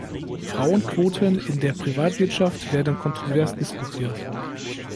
Frauenquoten in der Privatwirtschaft werden kontrovers diskutiert.